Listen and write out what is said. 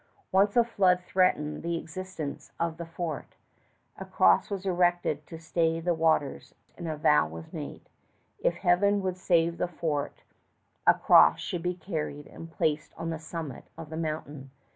Once a flood threatened the existence of the fort. A cross was erected to stay the waters and a vow made if Heaven would save the fort a cross should be carried and placed on the summit of the mountain.